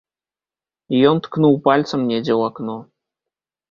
Ён ткнуў пальцам недзе ў акно.